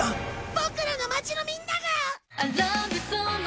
ボクらの街のみんなが！